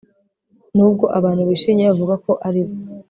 nubwo abantu bishimye bavuga ko ari bo